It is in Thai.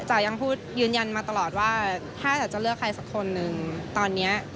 ยังพูดยืนยันมาตลอดว่าถ้าจ๋าจะเลือกใครสักคนหนึ่งตอนนี้